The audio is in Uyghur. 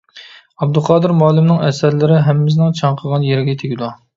ئابدۇقادىر مۇئەللىمنىڭ ئەسەرلىرى ھەممىمىزنىڭ چاڭقىغان يېرىگە تېگىدۇ.